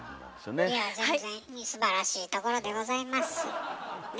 いやぁ全然すばらしいところでございますね。